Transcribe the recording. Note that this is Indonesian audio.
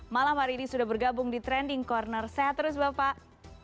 malam hari ini sudah bergabung di trending corner sehat terus bapak